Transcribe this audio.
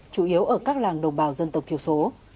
chủ yếu ở các làng đồng bào dân tộc thiểu số